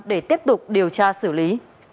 để tiếp tục điều tra xử lý